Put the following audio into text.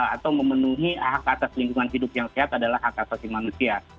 atau memenuhi hak atas lingkungan hidup yang sehat adalah hak asasi manusia